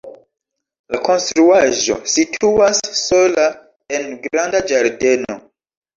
La konstruaĵo situas sola en granda ĝardeno.